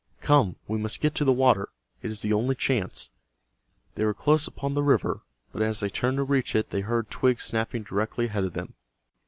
"Come, we must get to the water. It is the only chance." They were close upon the river, but as they turned to reach it they heard twigs snapping directly ahead of them.